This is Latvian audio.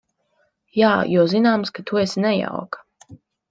Jā, jo zināms, ka tu esi nejauka.